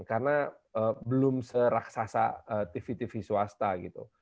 karena belum seraksasa tv tv swasta gitu